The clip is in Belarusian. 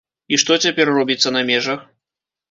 І што цяпер робіцца на межах?